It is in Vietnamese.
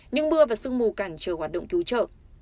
nhưng mưa và sương mù cản chở hoạt động cứu trợ